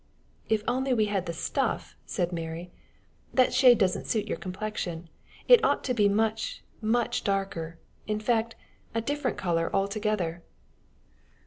"If only we had the stuff!" said Mary. "That shade doesn't suit your complexion. It ought to be much, much darker in fact, a different color altogether."